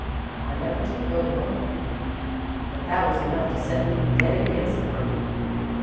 I never took but one, but that was enough to set me dead against the breed.